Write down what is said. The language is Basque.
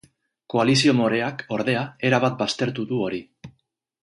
Koalizio moreak, ordea, erabat baztertu du hori.